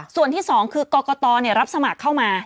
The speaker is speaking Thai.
ส่วนที่สองคือกกตเนี่ยรับสมัครเข้ามา